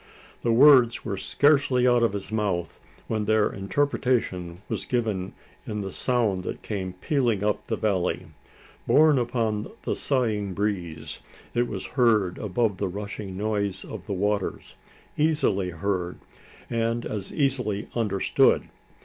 The words were scarcely out of his mouth when their interpretation was given in the sound that came pealing up the valley. Borne upon the sighing breeze, it was heard above the rushing noise of the waters easily heard, and as easily understood.